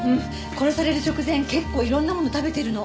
殺される直前結構いろんなもの食べてるの。